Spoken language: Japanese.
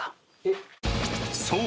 ［そう。